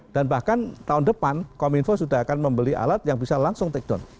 dan bahkan tahun depan kominfo sudah akan membeli alat yang bisa langsung take down